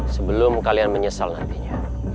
sebelum kalian menyesal nantinya